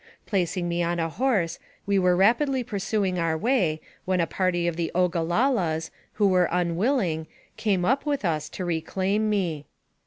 Placing me on a horse, we were rapidly pursuing our way, when a party of the Ogalallas, who were un willing, came up with us, to reclaim me.